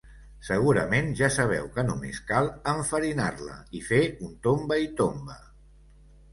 Segurament ja sabeu que només cal enfarinar-la i fer un tomba-i-tomba.